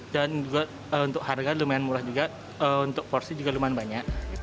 dan juga untuk harga lumayan murah juga untuk porsi juga lumayan banyak